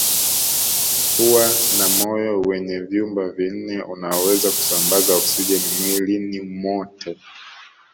Huwa na moyo wenye vyumba vinne unaoweza kusambaza oksijeni mwilini mote